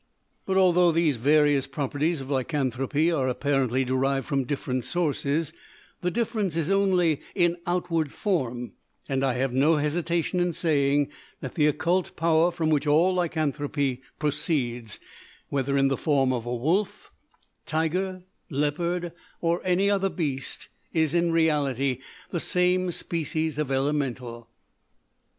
But although these various properties of lycanthropy are apparently derived from different sources, the difference is only in outward form; and I have no hesitation in saying that the occult power from which all lycanthropy proceeds, whether in the form of a wolf, tiger, leopard, or any other beast, is in reality the same species of Elemental.